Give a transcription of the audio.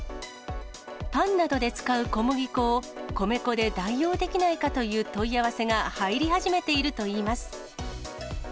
パンなどで使う小麦粉を、米粉で代用できないかという問い合わせが入り始めているといいます。